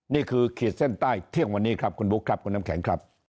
ขีดเส้นใต้เที่ยงวันนี้ครับคุณบุ๊คครับคุณน้ำแข็งครับ